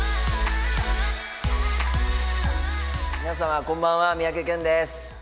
皆様こんばんは、三宅健です。